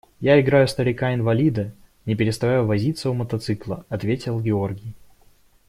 – Я играю старика инвалида, – не переставая возиться у мотоцикла, ответил Георгий.